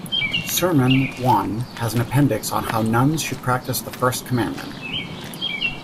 Sermon I has an appendix on how nuns should practice the first commandment.